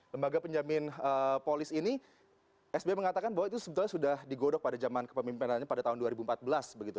lembaga penjamin polis ini sbi mengatakan bahwa itu sebetulnya sudah digodok pada zaman kepemimpinannya pada tahun dua ribu empat belas begitu